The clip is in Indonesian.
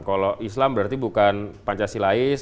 kalau islam berarti bukan pancasilais